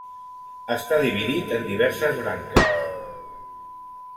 Està dividit En diverses branques.